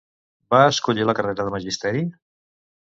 Va escollir la carrera de Magisteri?